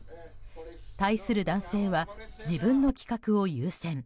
対する男性は自分の企画を優先。